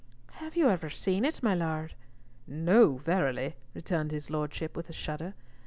"Have you ever seen it, my Lord?" "No, verily," returned his lordship with a shudder.